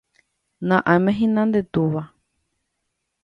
Na'áme hína nde túva